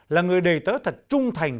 là người đề tớ thật trung thành